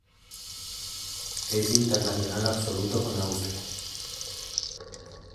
Es internacional absoluto con Austria.